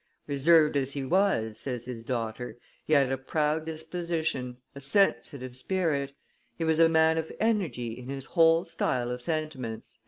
"Reserved as he was," says his daughter, "he had a proud disposition, a sensitive spirit; he was a man of energy in his whole style of sentiments."